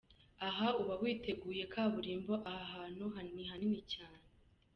Aha uba witegeye kaburimbo Aha hantu ni hanini cyane.